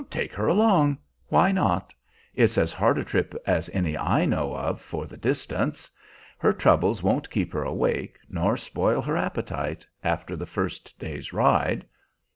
"Take her along. Why not? It's as hard a trip as any I know of, for the distance. Her troubles won't keep her awake, nor spoil her appetite, after the first day's ride."